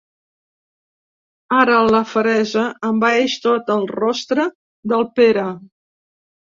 Ara la feresa envaeix tot el rostre del Pere.